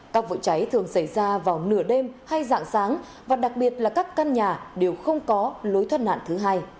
các vụ cháy thường xảy ra vào nửa đêm hay dạng sáng và đặc biệt là các căn nhà đều không có lối thoát nạn thứ hai